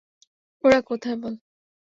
ওরা কোথায় বল!